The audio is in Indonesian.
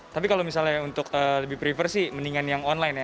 tapi kalau misalnya untuk lebih prefer sih mendingan yang online ya